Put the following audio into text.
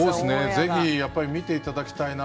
ぜひ見ていただきたいな。